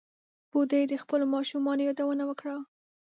بوډۍ د خپلو ماشومانو یادونه وکړه.